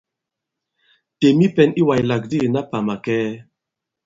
Těm i pɛ̄n i wàslàk di ìna pà màkɛɛ!